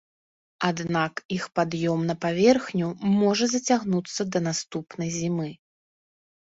Аднак іх пад'ём на паверхню можа зацягнуцца да наступнай зімы.